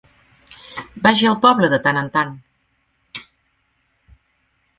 Vagi al poble de tant en tant.